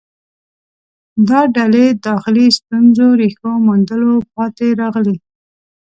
دا ډلې داخلي ستونزو ریښو موندلو پاتې راغلې